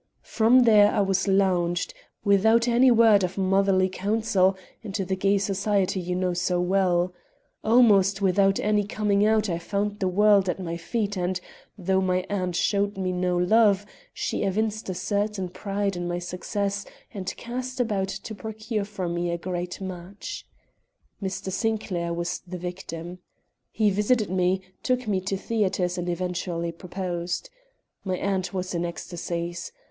From there I was launched, without any word of motherly counsel, into the gay society you know so well. Almost with my coming out I found the world at my feet and, though my aunt showed me no love, she evinced a certain pride in my success and cast about to procure for me a great match. Mr. Sinclair was the victim. He visited me, took me to theaters and eventually proposed. My aunt was in ecstasies.